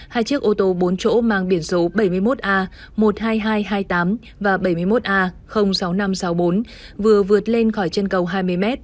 hai chiếc ô tô bốn chỗ mang biển số bảy mươi một a một mươi hai nghìn hai trăm hai mươi tám và bảy mươi một a sáu nghìn năm trăm sáu mươi bốn vừa vượt lên khỏi chân cầu hai mươi m